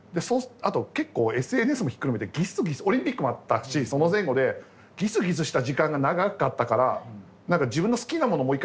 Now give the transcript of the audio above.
あと結構ＳＮＳもひっくるめてギスギスオリンピックもあったしその前後でギスギスした時間が長かったから何か自分の好きなもの